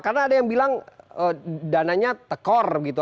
karena ada yang bilang dananya tekor gitu